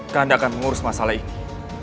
keanda akan mengurus masalah ini